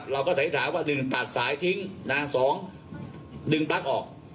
เราก็สันนิษฐานว่า๑ตัดสายทิ้ง๒ดึงปลั๊กออก